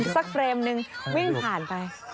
เฟรมหนึ่งวิ่งผ่านไป